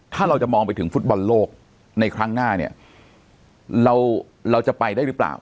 ถ้าเราจะมองไปถึงฟุตบอลโลกในครั้งหน้าเนี่ยเราจะไปได้หรือเปล่า